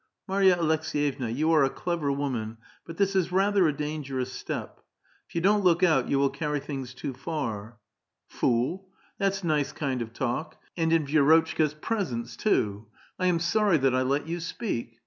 " Marya Aleks^yevna, you are a clever woman, but this is rather a dangerous step ; if you don't look out, you will carry things too far." " Durdk [fool] ! that's nice kind of talk ; and in Vi^ro A VITAL QUESTION. 19 tchka's presence, too! I am sorry that I let you speak.